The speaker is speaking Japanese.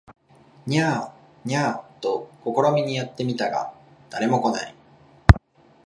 ニャー、ニャーと試みにやって見たが誰も来ない